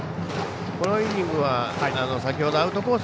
このイニングは先ほどアウトコース